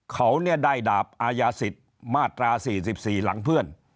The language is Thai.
เขาได้ดาบอายาศิษย์มาตรา๔๔หลังเพื่อน